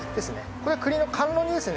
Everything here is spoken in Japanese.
これは栗の甘露煮ですね。